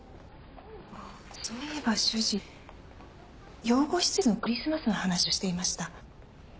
そういえば主人養護施設のクリスマスの話をしていました。